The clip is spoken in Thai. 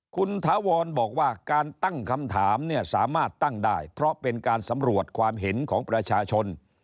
คุณถาวรบอกว่าการตั้งคำถามเนี่ยสามารถตั้งได้เพราะเป็นการสำรวจความเห็นของประชาชน